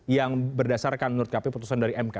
yang berdasarkan menurut kpu putusan dari mk